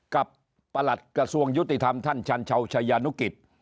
ประหลัดกระทรวงยุติธรรมท่านชันชาวชายานุกิจ